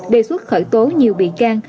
đề xuất khởi tố nhiều bị can